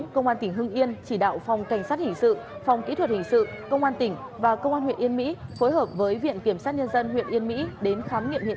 công an tỉnh hương yên một mươi hai tuổi và một bé gái một mươi bốn tuổi đều ở huyện yên mỹ